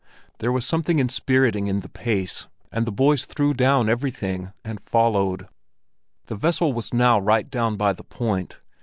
There was something inspiriting in the pace, and the boys threw down everything and followed. The vessel was now right down by the point.